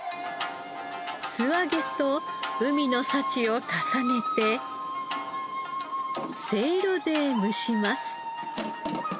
素揚げと海の幸を重ねてせいろで蒸します。